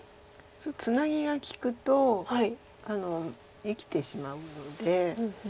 ツナギが利くと生きてしまうので。